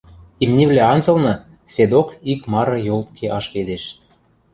Имнивлӓ анзылны седок ик мары йолтке ашкедеш.